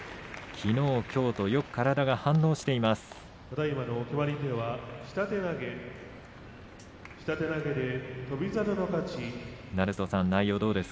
きのう、きょうとよく体が反応している翔猿です。